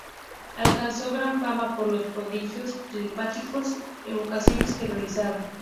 Alcanzó gran fama por los prodigios telepáticos y evocaciones que realizaba.